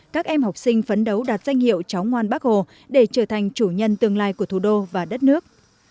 các em học sinh phấn đấu đạt danh hiệu cháu ngoan bác hồ để trở thành chủ nhân tương lai của thủ đô và đất nước